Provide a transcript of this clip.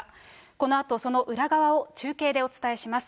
このあと、その裏側を中継でお伝えします。